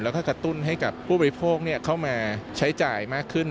แล้วก็กระตุ้นให้กับผู้บริโภคเข้ามาใช้จ่ายมากขึ้น